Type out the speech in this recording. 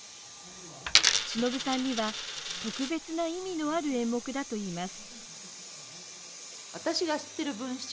しのぶさんには、特別な意味のある演目だといいます。